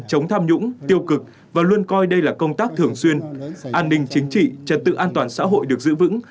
chống tham nhũng tiêu cực và luôn coi đây là công tác thường xuyên an ninh chính trị trật tự an toàn xã hội được giữ vững